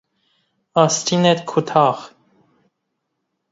آستین کوتاه